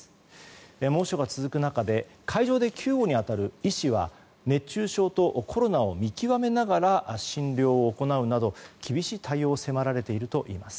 猛暑が続く中で会場で救護に当たる医師は熱中症とコロナを見極めながら診療を行うなど、厳しい対応を迫られているといいます。